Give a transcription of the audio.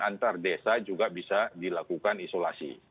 antar desa juga bisa dilakukan isolasi